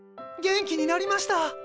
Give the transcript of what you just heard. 元気になりました！